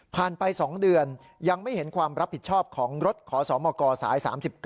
ไป๒เดือนยังไม่เห็นความรับผิดชอบของรถขอสมกสาย๓๙